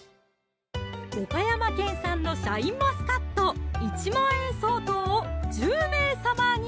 岡山県産のシャインマスカット１万円相当を１０名様に！